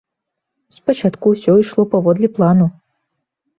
Спачатку ўсё ішло паводле плану.